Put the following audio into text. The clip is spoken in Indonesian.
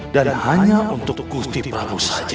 dan hanya untuk gusti prabu saja